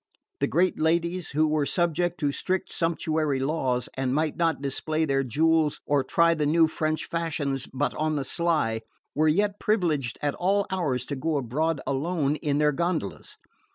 The great ladies, who were subject to strict sumptuary laws, and might not display their jewels or try the new French fashions but on the sly, were yet privileged at all hours to go abroad alone in their gondolas.